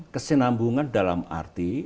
kesinambungan dalam arti